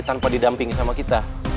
tanpa didampingi sama kita